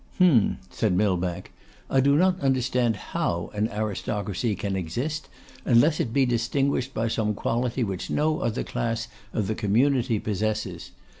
'Hum!' said Millbank. 'I do not understand how an aristocracy can exist, unless it be distinguished by some quality which no other class of the community possesses.